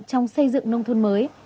trong xây dựng nông thuận mới